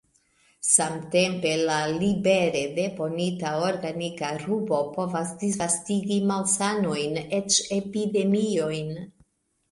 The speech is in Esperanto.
Samtempe la libere deponita organika rubo povas disvastigi malsanojn, eĉ epidemiojn.